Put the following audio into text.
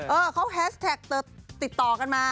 เออเขาแฮสแท็กติดต่อกันมา